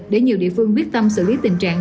để nhiều địa phương quyết tâm xử lý tình trạng